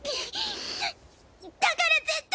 だから絶対。